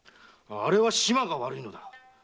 あれは島が悪いのだ。